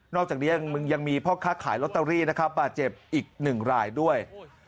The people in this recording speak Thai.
อกจากนี้ยังมีพ่อค้าขายลอตเตอรี่นะครับบาดเจ็บอีกหนึ่งรายด้วย